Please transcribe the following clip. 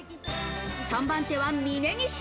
３番手は峯岸。